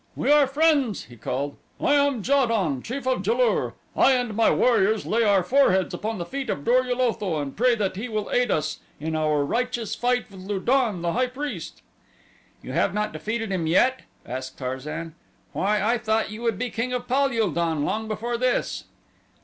"We are friends," he cried. "I am Ja don, Chief of Ja lur. I and my warriors lay our foreheads upon the feet of Dor ul Otho and pray that he will aid us in our righteous fight with Lu don, the high priest." "You have not defeated him yet?" asked Tarzan. "Why I thought you would be king of Pal ul don long before this."